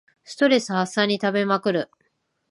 ストレス発散に食べまくる